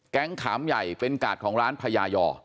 ขามใหญ่เป็นกาดของร้านพญายอ